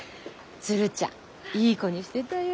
鶴ちゃんいい子にしてたよ。